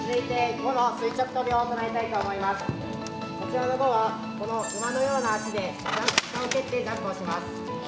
こちらの午はこの馬のような脚で下を蹴ってジャンプをします。